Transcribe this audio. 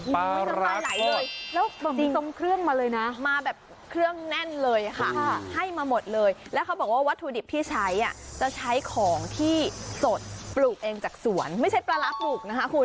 น้ำปลาไหลเลยแล้วสีทรงเครื่องมาเลยนะมาแบบเครื่องแน่นเลยค่ะให้มาหมดเลยแล้วเขาบอกว่าวัตถุดิบที่ใช้จะใช้ของที่สดปลูกเองจากสวนไม่ใช่ปลาร้าปลูกนะคะคุณ